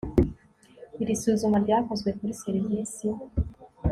Iri suzuma ryakozwe kuri serivisi